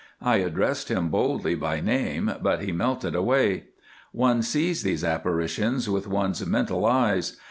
I addressed him boldly by name, but he melted away. One sees these apparitions with one's mental eyes.